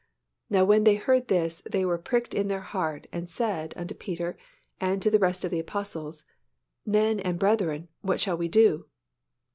Now when they heard this, they were pricked in their heart, and said unto Peter and to the rest of the apostles, Men and brethren, what shall we do?"